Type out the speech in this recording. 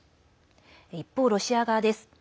一方、ロシア側です。